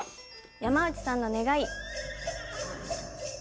山内さんの願い。